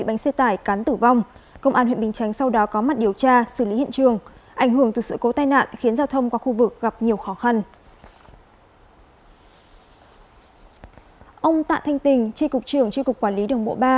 ông tạ thanh tình tri cục trưởng tri cục quản lý đường bộ ba